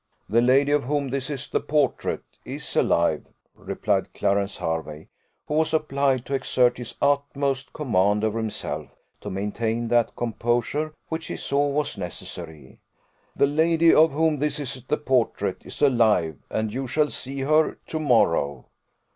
"The lady, of whom this is the portrait, is alive," replied Clarence Hervey, who was obliged to exert his utmost command over himself, to maintain that composure which he saw was necessary; "the lady, of whom this is the portrait, is alive, and you shall see her to morrow."